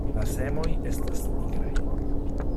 La semoj estas nigraj.